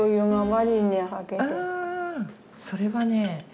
それはね